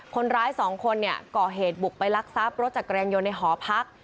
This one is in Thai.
คนร้าย๒คนก่อเหตุบุกไปรักทราบรถจักรยานยนต์ในหอพัก